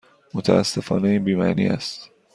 متاسفانه این بی معنی است.